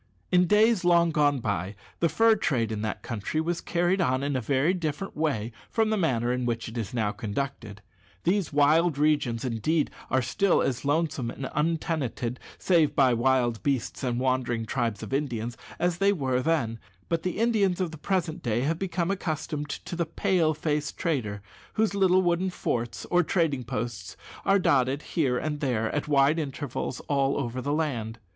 In days long gone by the fur trade in that country was carried on in a very different way from the manner in which it is now conducted. These wild regions, indeed, are still as lonesome and untenanted (save by wild beasts and wandering tribes of Indians) as they were then; but the Indians of the present day have become accustomed to the "Pale face" trader, whose little wooden forts or trading posts are dotted here and there, at wide intervals, all over the land.